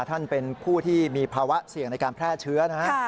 ท่านเป็นผู้ที่มีภาวะเสี่ยงในการแพร่เชื้อนะฮะ